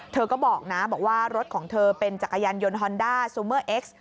เธอก็บอกนะบอกว่ารถของเธอเป็นจักรยานยนต์ฮอนด้าซูเมอร์เอ็กซ์